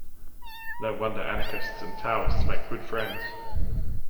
No wonder anarchists and Taoists make good friends.